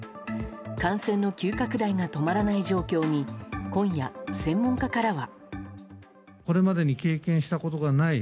感染の急拡大が止まらない状況に今夜、専門家からは。